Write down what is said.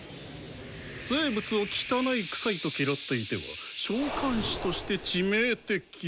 生物を「汚い」「臭い」と嫌っていては召喚士として致命的。